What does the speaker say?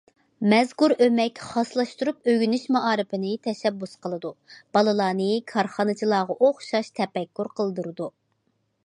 مەزكۇر ئۆمەك خاسلاشتۇرۇپ ئۆگىنىش مائارىپىنى تەشەببۇس قىلىدۇ، بالىلارنى كارخانىچىلارغا ئوخشاش تەپەككۇر قىلدۇرىدۇ.